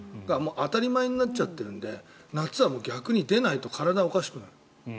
当たり前になっちゃってるので夏は逆に出ないと体がおかしくなる。